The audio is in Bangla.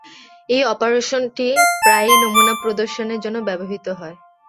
এই অপারেশনটি প্রায়ই নমুনা প্রদর্শনের জন্য ব্যবহৃত হয়।